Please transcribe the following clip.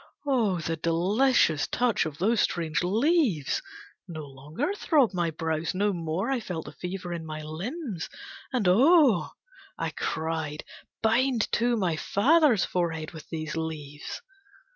Oh, the delicious touch of those strange leaves! No longer throbbed my brows, no more I felt The fever in my limbs "And oh," I cried, "Bind too my father's forehead with these leaves."